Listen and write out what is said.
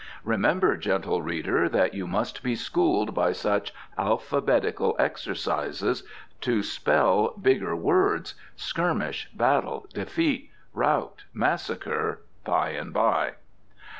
Remember, gentle reader, that you must be schooled by such alphabetical exercises to spell bigger words skirmish, battle, defeat, rout, massacre by and by.